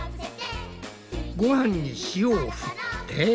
ごはんに塩をふって。